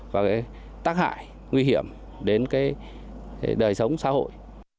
và tác hại nguy hiểm đến đời sống xã hội